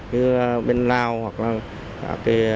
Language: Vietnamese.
tức là bên lao hoặc là cả cửa khẩu đã đưa về nhà cất giấu